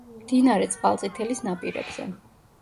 მდინარე წყალწითელის ნაპირებზე.